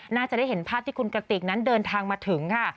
น่าจะได้เห็นภาพที่คุณกระติกนั้นเดินทางมาถึงค่ะ